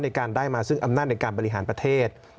ในการได้มาซึ่งอำนาจในการบริหารประเทศ